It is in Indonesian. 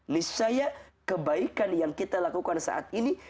nishaya kebaikan yang kita lakukan saat ini